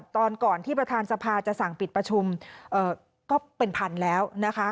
ตอนก่อนที่ประธานสภาจะสั่งปิดประชุมก็เป็นพันแล้วนะคะ